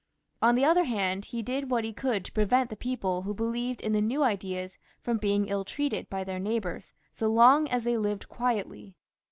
On the other hand, he did what he could to prevent the people who believed in the new ideas fix)m being ill treated by their neighbours so long ad they lived quietly.